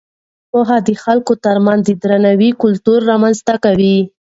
پوهه د خلکو ترمنځ د درناوي کلتور رامینځته کوي.